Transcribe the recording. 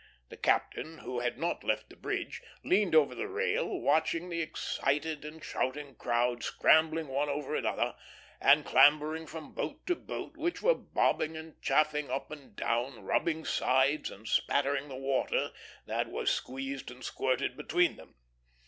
The captain, who had not left the bridge, leaned over the rail, watching the excited and shouting crowd scrambling one over another, and clambering from boat to boat, which were bobbing and chafing up and down, rubbing sides, and spattering the water that was squeezed and squirted between them.